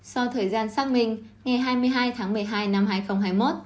sau thời gian xác minh ngày hai mươi hai tháng một mươi hai năm hai nghìn hai mươi một